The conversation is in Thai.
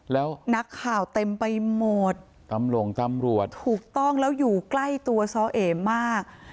แล้วนักข่าวเต็มไปหมดตำรวจถูกต้องแล้วอยู่ใกล้ตัวซ้อเอมาก